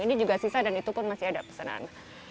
ini juga sisa dan itu pun masih ada pesanan